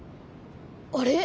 あれ？